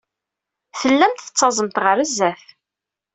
Tellamt tettaẓemt ɣer sdat.